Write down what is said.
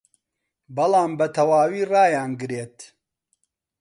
بەڵام بەتەواوی ڕایناگرێت